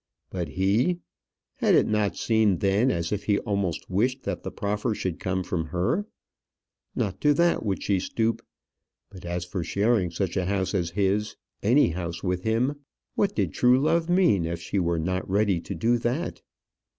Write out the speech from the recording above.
But he ! Had it not seemed then as if he almost wished that the proffer should come from her? Not to that would she stoop. But as for sharing such a house as his any house with him! What did true love mean, if she were not ready to do that?